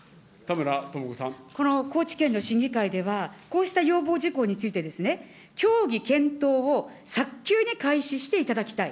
この高知県の審議会では、こうした要望事項についてですね、協議検討を早急に開始していただきたい。